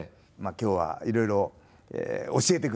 今日はいろいろ教えてください。